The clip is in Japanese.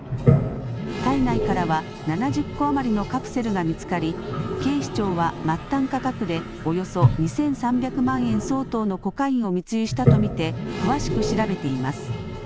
体内からは７０個余りのカプセルが見つかり警視庁は末端価格でおよそ２３００万円相当のコカインを密輸したと見て詳しく調べています。